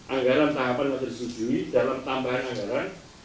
anggaran tahapan yang telah disetujui dalam tambahan anggaran